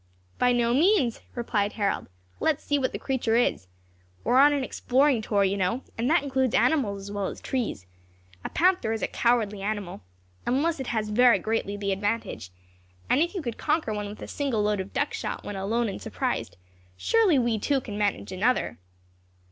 "By no means," replied Harold. "Let us see what the creature is. We are on an exploring tour, you know, and that includes animals as well as trees. A panther is a cowardly animal, unless it has very greatly the advantage; and if you could conquer one with a single load of duck shot when alone and surprised, surely we two can manage another."